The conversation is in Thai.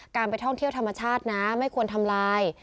การไปท่องเที่ยวธรรมชาตินะไม่ควรทำลาย